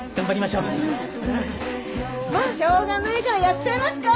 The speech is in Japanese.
しょうがないからやっちゃいますか？